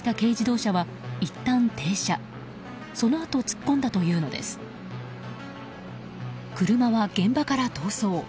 車は現場から逃走。